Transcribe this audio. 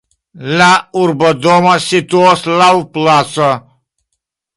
La urbodomo situas laŭ placo.